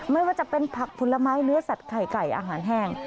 ไม่ว่าจะเป็นผักผลไม้เนื้อสัตว์ไข่ไก่อาหารแห้ง